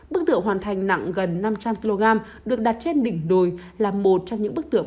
bức tượng hoàn thành nặng gần năm trăm linh kg được đặt trên đỉnh đồi là một trong những bức tượng